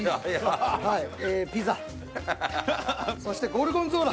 そしてゴルゴンゾーラ。